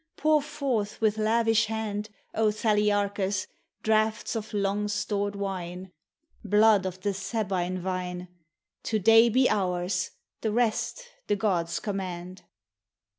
Pour forth with lavish hand, O Thaliarehus, draughts of long stored wine, Blood of the Sabine vine! Today be ours: the rest the gods command.